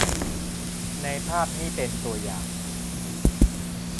ในภาพนี่เป็นตัวอย่าง